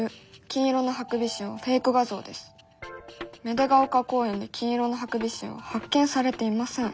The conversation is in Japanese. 芽出ヶ丘公園で金色のハクビシンは発見されていません」。